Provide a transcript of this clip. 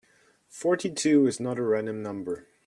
Forty-two is not a random number.